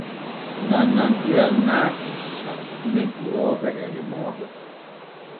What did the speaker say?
Nanantiran naatii hakkune durooɓe et remooɓe.